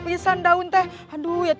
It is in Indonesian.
aku akan menangkan gusti ratu